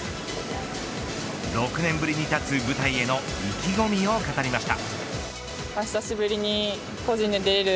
６年ぶりに立つ舞台への意気込みを語りました。